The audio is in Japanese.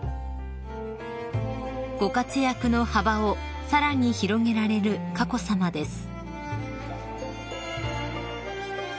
［ご活躍の幅をさらに広げられる佳子さまです］